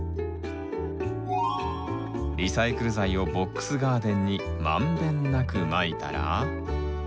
リサイクル材をボックスガーデンに満遍なくまいたら。